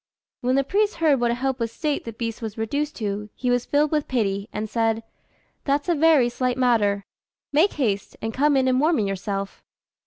When the priest heard what a helpless state the beast was reduced to, he was filled with pity, and said "That's a very slight matter: make haste and come in and warm yourself."